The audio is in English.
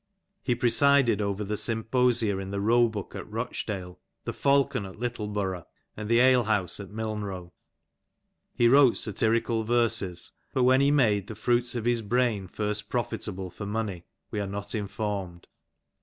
He presided over the symposia in the Roebuck at Rochdale, the Falcon at Littleborough, and the alehouse at Milnrow. He wrote satirical verses, but when he made the fruits of his brain first profitable for money we are not informed.